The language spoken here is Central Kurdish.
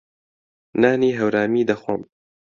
نانی هەورامی دەخۆم.